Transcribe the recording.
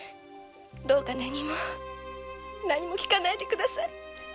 どうか何も何も聞かないで下さい。